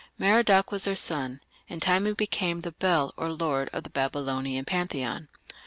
Merodach was their son: in time he became the Bel, or "Lord", of the Babylonian pantheon.